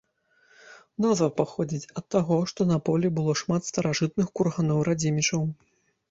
Назва паходзіць ад таго, што на полі было шмат старажытных курганоў радзімічаў.